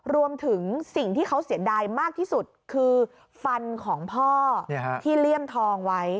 รวมถึงสิ่งที่เขาเสียดายมากที่สุดคือฟันของพ่อที่เลี่ยมทองไว้